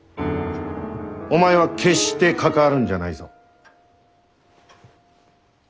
お前は決して関わるんじゃないぞ。